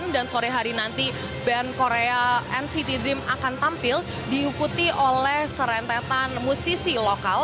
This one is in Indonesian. dan sore hari nanti band korea nct dream akan tampil diikuti oleh serentetan musisi lokal